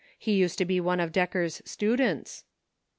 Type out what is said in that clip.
He used to be one of Decker's students."